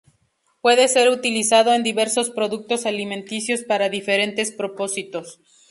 Puede ser utilizado en diversos productos alimenticios para diferentes propósitos.